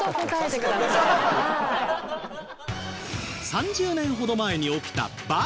３０年ほど前に起きたバブル